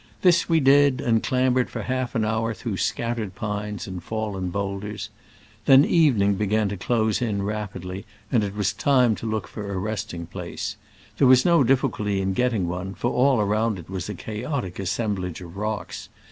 This we did, and clambered for half an hour through scattered pines and fallen boul ders. Then evening began to close in rapidly, and it was time to look for a resting place. There was no difficulty in getting one, for all around it was a chaotic assemblage of rocks.